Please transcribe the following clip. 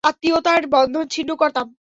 আত্মীয়তার বন্ধন ছিন্ন করতাম।